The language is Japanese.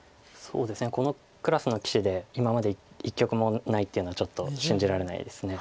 このクラスの棋士で今まで一局もないっていうのはちょっと信じられないです。